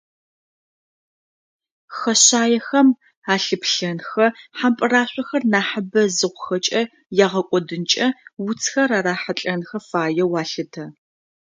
Хэшъаехэм алъыплъэнхэ, хьампӏырашъохэр нахьыбэ зыхъухэкӏэ ягъэкӏодынкӏэ уцхэр арахьылӏэнхэ фаеу алъытэ.